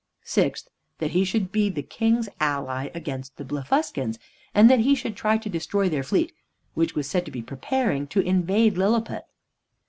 Sixth, that he should be the King's ally against the Blefuscans, and that he should try to destroy their fleet, which was said to be preparing to invade Lilliput.